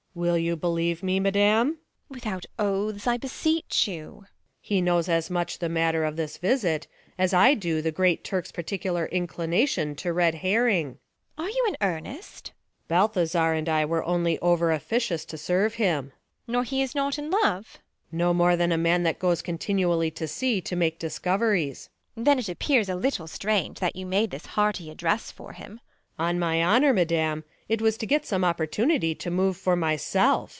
Luc. Will you believe me, madam ? Beat. Without oaths, I beseech you. Luc. He knows as much the matter of this visit, As I do of the Great Turk's particular Liclination to red herring. Beat. Are you in earnest ? Luc. Balthazar and T Were only over officious to serve him. Beat. Nor he is not in love 1 Luc. No more than a man that goes continually To sea to make discoveries. Beat. Then it apjjears a little strange, THE LAW AGAINST LOVERS. 157 That you made this hearty address for him. Luc. On my honour, madam, it was to get Some opportunity to move for myself.